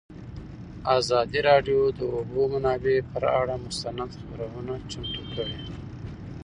ازادي راډیو د د اوبو منابع پر اړه مستند خپرونه چمتو کړې.